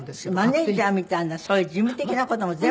マネジャーみたいなそういう事務的な事も全部。